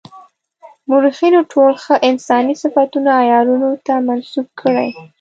مورخینو ټول ښه انساني صفتونه عیارانو ته منسوب کړي.